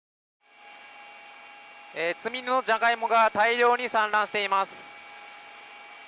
積み荷のジャガイモが大量に散乱しています。